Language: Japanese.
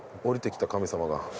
降りてきた神様が。